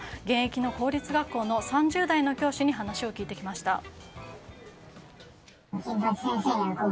現役の公立学校の３０代の教師に話を聞いてきました。